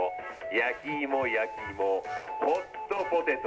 焼き芋焼き芋ホットポテト。